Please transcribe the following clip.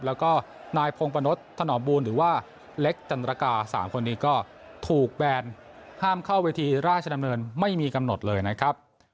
แล้วก็นายพงปะนดถนอมบูลหรือว่าเล็กจันตรกา๓คนนี้ก็ถูกแบนห้ามเข้าเวทีราชดำเนินไม่มีกำหนดเลยนะครับ